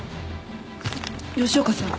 吉岡さん